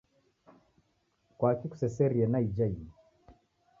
Kwaki kuseserie na ija imu?